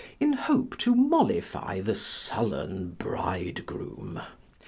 in hope to mollify the sullen bridegroom.